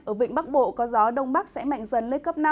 ở vịnh bắc bộ có gió đông bắc sẽ mạnh dần lên cấp năm